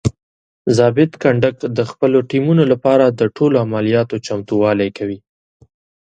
ضابط کنډک د خپلو ټیمونو لپاره د ټولو عملیاتو چمتووالی کوي.